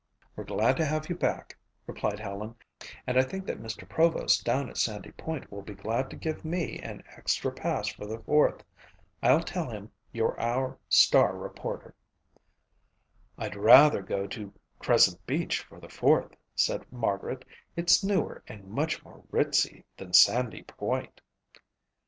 "We're glad to have you back," replied Helen, "and I think Mr. Provost down at Sandy Point will be glad to give me an extra pass for the Fourth. I'll tell him you're our star reporter." "I'd rather go to Crescent Beach for the Fourth," said Margaret. "It's newer and much more ritzy than Sandy Point."